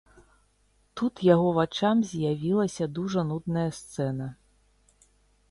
Тут яго вачам з'явілася дужа нудная сцэна.